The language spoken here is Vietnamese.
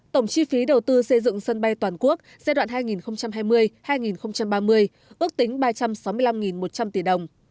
tổng chi phí đầu tư xây dựng sân bay toàn quốc giai đoạn hai nghìn hai mươi hai nghìn ba mươi ước tính ba trăm sáu mươi năm một trăm linh tỷ đồng